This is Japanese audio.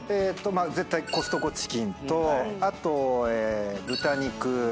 絶対コストコチキンとあと豚肉。